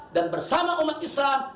dan bersama umat islam